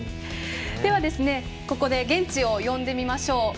では、ここで現地を呼んでみましょう。